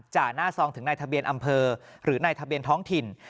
หน้าซองถึงในทะเบียนอำเภอหรือในทะเบียนท้องถิ่น